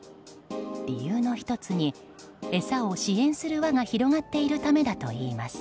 理由の１つに餌を支援する輪が広がっているためだといいます。